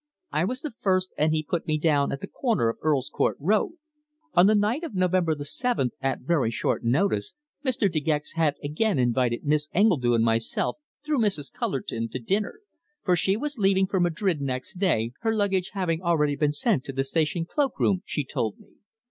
I was the first, and he put me down at the corner of Earl's Court Road. "On the night of November the seventh at very short notice Mr. De Gex had again invited Miss Engledue and myself through Mrs. Cullerton to dinner, for she was leaving for Madrid next day, her luggage having already been sent to the station cloak room, she told me.